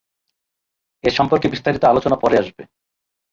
এ সম্পর্কে বিস্তারিত আলোচনা পরে আসবে।